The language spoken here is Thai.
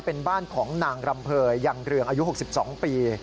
เป็นบ้านของนางรำเภยยังเรืองอายุ๖๒ปี